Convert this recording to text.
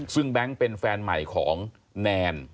ซึ่งแบงค์เป็นแฟนใหม่ของแนน